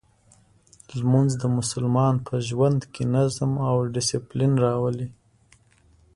لمونځ د مسلمان په ژوند کې نظم او دسپلین راولي.